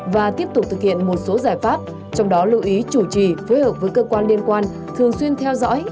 và tiếp tục thực hiện một số giải pháp trong đó lưu ý chủ trì phối hợp với cơ quan liên quan thường xuyên theo dõi